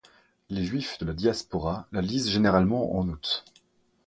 Les Juifs de la Diaspora la lisent généralement en août.